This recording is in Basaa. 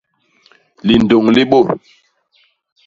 Lindôñ li bôt.